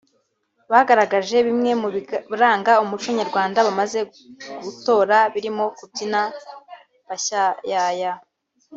bagaragaje bimwe mu biranga umuco nyarwanda bamaze gutora birimo kubyina bashayaya